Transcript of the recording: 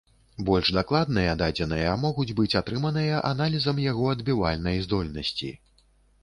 Больш дакладныя дадзеныя могуць быць атрыманыя аналізам яго адбівальнай здольнасці.